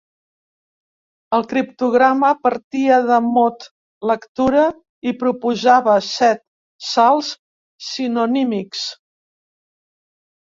El criptograma partia del mot lectura i proposava set salts sinonímics.